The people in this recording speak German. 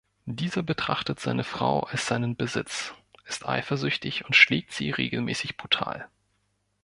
Dieser betrachtet seine Frau als seinen Besitz, ist eifersüchtig und schlägt sie regelmäßig brutal.